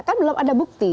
kan belum ada bukti